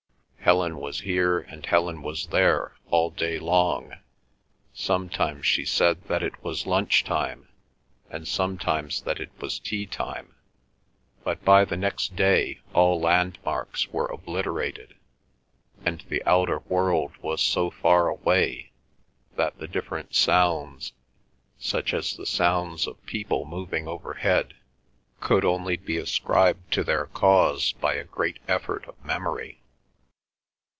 Helen was here, and Helen was there all day long; sometimes she said that it was lunchtime, and sometimes that it was teatime; but by the next day all landmarks were obliterated, and the outer world was so far away that the different sounds, such as the sounds of people moving overhead, could only be ascribed to their cause by a great effort of memory.